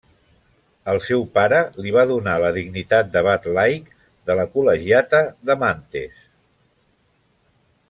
El seu pare li va donar la dignitat d'abat laic de la col·legiata de Mantes.